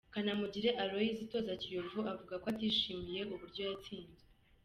Kanamugire Aloys, utoza Kiyovu avuga ko atishimiye uburyo yatsinzwe.